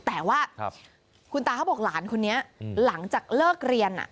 แต่ว่าคุณตาเขาบอกหลานคนนี้หลังจากเลิกเรียน